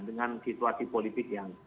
dengan situasi politik yang